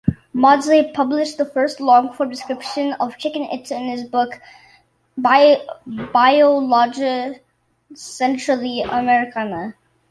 Maudslay published the first long-form description of Chichen Itza in his book, "Biologia Centrali-Americana".